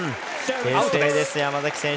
冷静です、山崎選手。